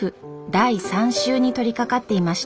第３集に取りかかっていました。